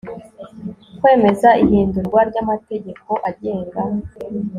Kwemeza ihindurwa ry amategeko agenga